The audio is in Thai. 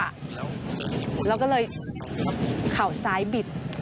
เราก็เลยเข่าซ้ายบิด